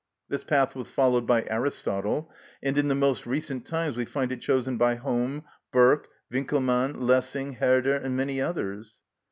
This path was followed by Aristotle, and in the most recent times we find it chosen by Home, Burke, Winckelmann, Lessing, Herder, and many others.